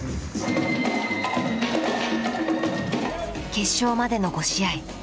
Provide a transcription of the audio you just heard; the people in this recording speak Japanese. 決勝までの５試合。